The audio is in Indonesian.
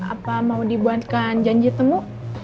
apa mau dibuatkan janji temu